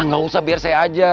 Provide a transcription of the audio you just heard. nggak usah biar saya aja